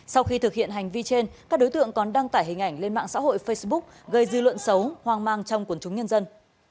sau khi thực hiện hành vi trên các đối tượng còn đăng tải hình ảnh lên mạng xã hội facebook gây dư luận xấu hoang mang trong quần chúng nhân dân